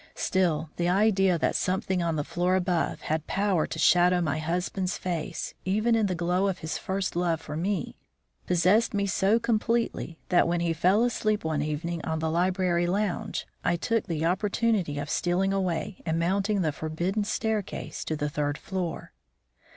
Still the idea that something on the floor above had power to shadow my husband's face, even in the glow of his first love for me, possessed me so completely that, when he fell asleep one evening on the library lounge, I took the opportunity of stealing away and mounting the forbidden staircase to the third floor.